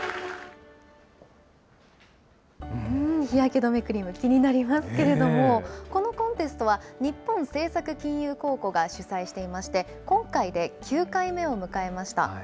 日焼け止めクリーム、気になりますけれども、このコンテストは日本政策金融公庫が主催していまして、今回で９回目を迎えました。